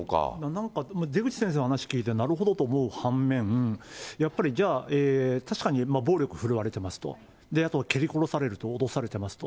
なんか、出口先生の話を聞いて、なるほどと思う反面、やっぱりじゃあ、確かに暴力振るわれていますと、蹴り殺されると脅されてますと。